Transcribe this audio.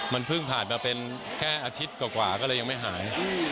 มันเพิ่งผ่านมาเป็นแค่อาทิตย์กว่าก็เลยยังไม่หาย